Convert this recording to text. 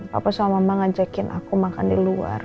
papa sama mama ngajakin aku makan di luar